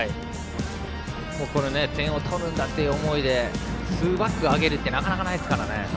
これ、点を取るんだという思いで上げるってなかなかないですからね。